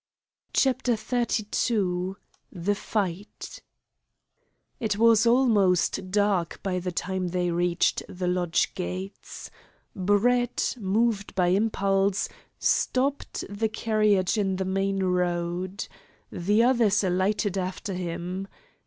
CHAPTER XXXII THE FIGHT It was almost dark by the time they reached the lodge gates. Brett, moved by impulse, stopped the carriage in the main road. The others alighted after him.